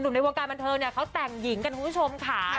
ในวงการบันเทิงเนี่ยเขาแต่งหญิงกันคุณผู้ชมค่ะ